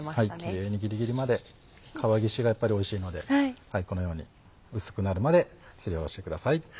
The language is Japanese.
キレイにギリギリまで皮ぎしがやっぱりおいしいのでこのように薄くなるまですりおろしてください。